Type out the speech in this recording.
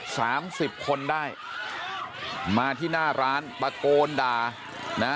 สามสิบคนได้มาที่หน้าร้านตะโกนด่านะฮะ